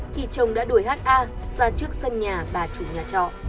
thì chồng đã đuổi ha ra trước sân nhà bà chủ nhà trọ